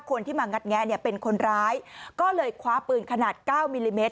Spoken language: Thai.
คนที่มางัดแงะเนี่ยเป็นคนร้ายก็เลยคว้าปืนขนาด๙มิลลิเมตร